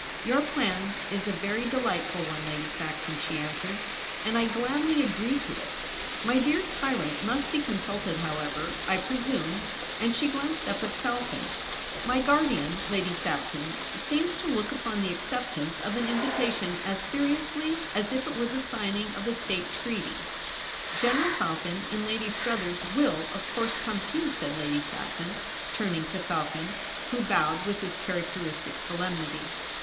* Your plan is a very delightful one, Lady Saxon,' she answered, ' and I gladly agree to it. My dear tyrant must be consulted how ever, I presume,' and she glanced up at Falcon. * My guardian, Lady Saxon, seems to look upon the acceptance of an invitation as seriously as if it were the signing of a State Treaty.' * General Falcon and Lady Struthers will, of course, come too,' said Lady Saxon, turning to Falcon, who bowled with his characteristic solemnity.